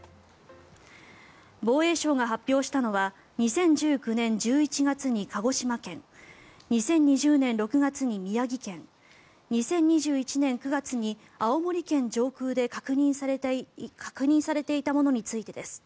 防衛省が発表したのは２０１９年１１月に鹿児島県２０２０年６月に宮城県２０２１年９月に青森県上空で確認されていたものについてです。